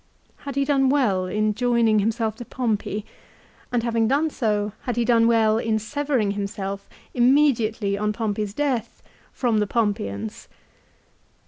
Had he done well in joining himself to Pompey, and having done so had he done well in severing himself immediately on Pompey 's death, from the Pompeians